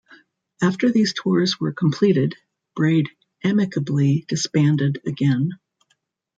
After these tours were completed, Braid amicably disbanded again.